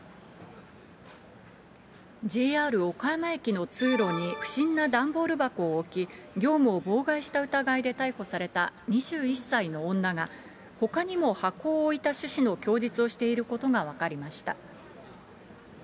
ＪＲ岡山駅の通路に不審な段ボール箱を置き、業務を妨害した疑いで逮捕された２１歳の女が、ほかにも箱を置いた趣旨の供述をしていることが分かりました。